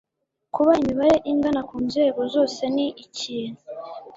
Kuba imibare ingana ku nzego zose ni ikintu